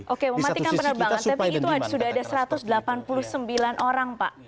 oke mematikan penerbangan tapi itu sudah ada satu ratus delapan puluh sembilan orang pak